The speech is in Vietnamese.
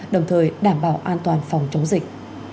đồng thời đảm bảo an toàn phòng chống dịch